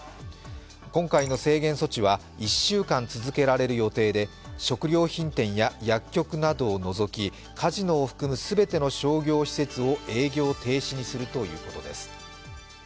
今回の制限措置は１週間続けられる予定で食料品店や薬局などを除きカジノを含む全ての商業施設を営業停止にするということです。